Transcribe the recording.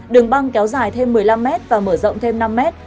đường băng kéo dài thêm một mươi năm mét và mở rộng thêm năm mét